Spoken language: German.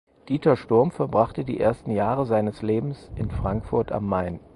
Dieter Sturm verbrachte die ersten Jahre seines Lebens in Frankfurt am Main.